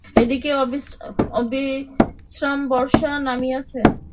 এদিকে অবিশ্রাম বর্ষা নামিয়াছে।